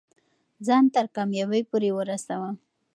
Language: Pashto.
ځان تر کامیابۍ پورې ورسوه.